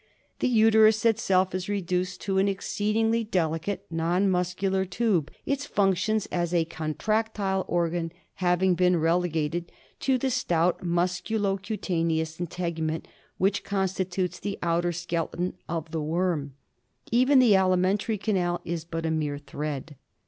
The uterus itself is reduced to an exceedingly delicate non muscular tube, its functions as a contractile organ having been delegated to the stout musculo cutaneous integument which constitutes the outer skeleton of the worm. Even the alimentary canal is but a mere thread.